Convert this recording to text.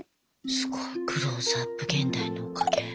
すごい「クローズアップ現代」のおかげ。